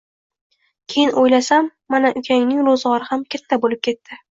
Keyin o‘ylasam, mana ukangning ro‘zg‘ori ham katta bo‘lib ketdi